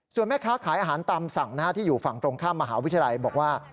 ส่วนแม่ค้าขายอาหารตามสั่งที่อยู่ฝั่งตรงข้ามมหาวิทยาลัยบอกว่า